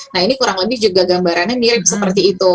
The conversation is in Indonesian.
nah ini kurang lebih juga gambarannya mirip seperti itu